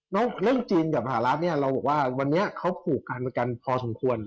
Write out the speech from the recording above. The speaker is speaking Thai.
เรื่องจีนกับสหรัฐเนี่ยเราบอกว่าวันนี้เขาผูกการประกันพอสมควร